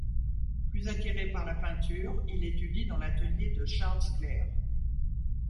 Plus attiré par la peinture, il étudie dans l'atelier de Charles Gleyre.